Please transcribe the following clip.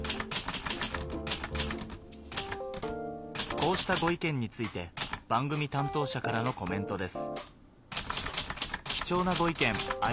こうしたご意見について番組担当者からのコメントです